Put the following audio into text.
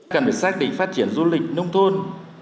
cần phải xác định phát triển du lịch nông thôn